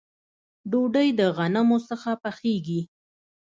ډوډۍ د غنمو څخه پخیږي